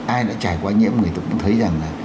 ai đã trải qua nhiễm người ta cũng thấy rằng là